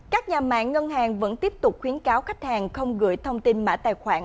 các nhà mạng ngân hàng vẫn tiếp tục khuyến cáo khách hàng không gửi thông tin mã tài khoản